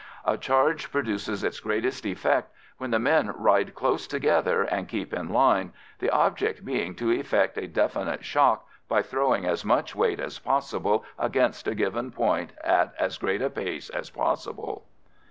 A charge produces its greatest effect when the men ride close together and keep in line, the object being to effect a definite shock by throwing as much weight as possible against a given point at as great a pace as possible.